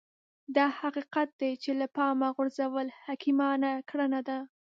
دا حقيقت دی چې له پامه غورځول حکيمانه کړنه ده.